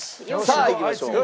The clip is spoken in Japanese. さあいきましょう。